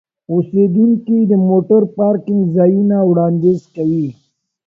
اوسیدونکي د موټر پارکینګ ځایونه وړاندیز کوي.